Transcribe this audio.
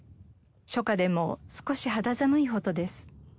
初夏でも少し肌寒いほどです。